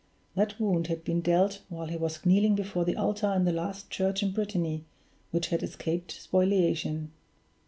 That wound had been dealt while he was kneeling before the altar in the last church in Brittany which had escaped spoliation.